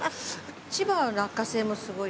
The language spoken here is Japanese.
千葉は落花生もすごい。